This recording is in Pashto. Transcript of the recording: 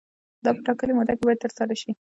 دا په ټاکلې موده کې باید ترسره شي.